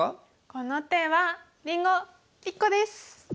この手はりんご１個です！